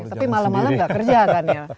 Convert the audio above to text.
tapi malam malam nggak kerja kan ya